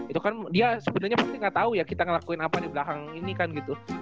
itu kan dia sebenarnya pasti nggak tahu ya kita ngelakuin apa di belakang ini kan gitu